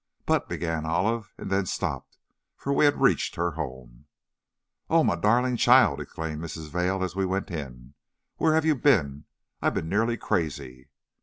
"But " began Olive, and then stopped, for we had reached her home. "Oh, my darling child," exclaimed Mrs. Vail, as we went in, "where have you been? I've been nearly crazy!"